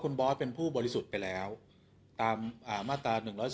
คุณบอสเป็นผู้บริสุทธิ์ไปแล้วตามมาตรา๑๔